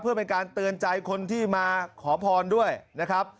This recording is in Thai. เพื่อเป็นการเตือนใจคนที่มาขอพรด้วยนะครับ